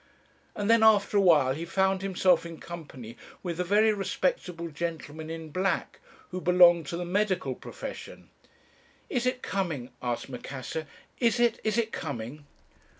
And then after a while he found himself in company with a very respectable gentleman in black, who belonged to the medical profession. 'Is it coming?' asked Macassar. 'Is it, is it coming?'